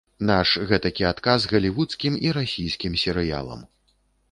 Наш гэтакі адказ галівудскім і расійскім серыялам.